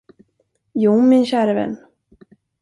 Jo, min käre vän.